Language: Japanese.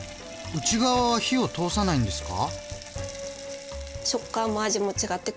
内側は火を通さないんですか？